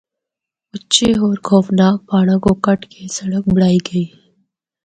اُچے ہور خوفناک پہاڑاں کو کٹ اے سڑک بنڑائی گئی۔